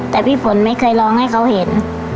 แต่พี่ฝนไม่เคยร้องให้เขาเห็น